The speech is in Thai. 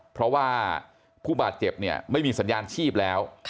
เพราะว่าผู้บาดเจ็บเนี่ยไม่มีสัญญาณชีพแล้ว